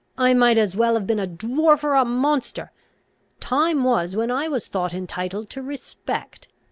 I might as well have been a dwarf or a monster! Time was when I was thought entitled to respect.